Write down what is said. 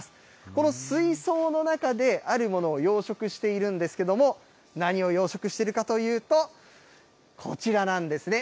この水槽の中で、あるものを養殖しているんですけども、何を養殖してるかというと、こちらなんですね。